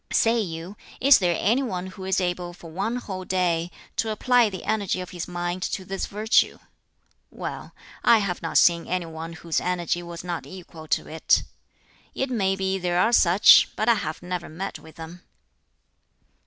"Say you, is there any one who is able for one whole day to apply the energy of his mind to this virtue? Well, I have not seen any one whose energy was not equal to it. It may be there are such, but I have never met with them.